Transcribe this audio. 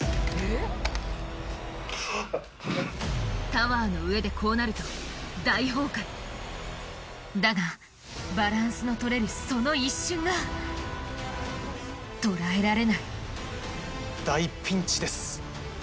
タワーの上でこうなるとだがバランスの取れるその一瞬が捉えられない大ピンチです。